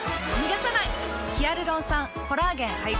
ヒアルロン酸・コラーゲン配合。